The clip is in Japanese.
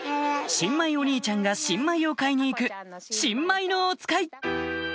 新米お兄ちゃんが新米を買いに行く新米のおつかい！